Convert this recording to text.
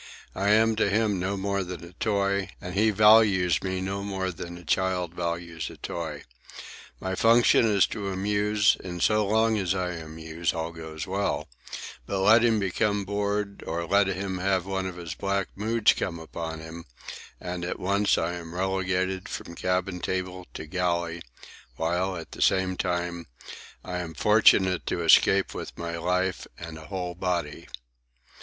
I am to him no more than a toy, and he values me no more than a child values a toy. My function is to amuse, and so long as I amuse all goes well; but let him become bored, or let him have one of his black moods come upon him, and at once I am relegated from cabin table to galley, while, at the same time, I am fortunate to escape with my life and a whole body.